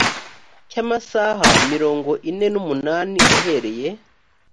cy amasaha mirongo ine n umunani uhereye